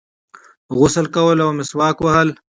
غسل کول او مسواک وهل